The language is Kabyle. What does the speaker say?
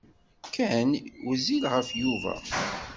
Ken wezzil ɣef Yuba.